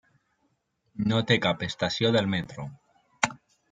No té cap estació del metro.